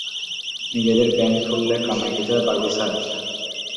নিজের ব্যান্ড খোললে, কামাই কিছুটা বাড়বে, স্যার।